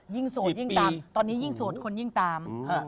ยิ่งโสดยิ่งตาม